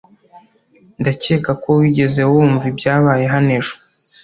ndakeka ko wigeze wumva ibyabaye hano ejo